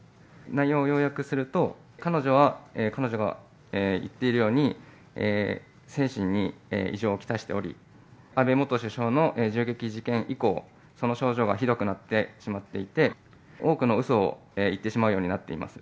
内容を要約すると、彼女は、彼女が言っているように、精神に異常をきたしており、安倍元首相の銃撃事件以降、その症状がひどくなってしまっていて、多くのうそを言ってしまうようになっています。